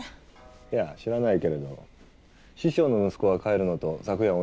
いや知らないけれど師匠の息子が帰るのと昨夜同じ汽車でね。